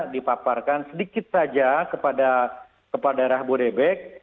dipaparkan sedikit saja kepada kepala darah budebek